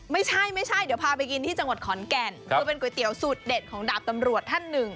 ไม่ใช่ไม่ใช่เดี๋ยวพาไปกินที่จังหวัดขอนแก่นคือเป็นก๋วยเตี๋ยวสูตรเด็ดของดาบตำรวจท่านหนึ่ง